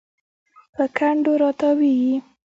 په کنډو راتاویږي